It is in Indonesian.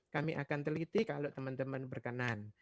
kami akan teliti kalau teman teman berkenan